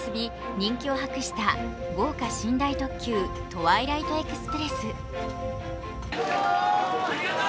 人気を博した豪華寝台特急トワイライトエクスプレス。